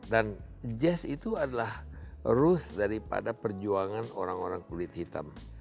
dan jazz itu adalah rute daripada perjuangan orang orang kulit hitam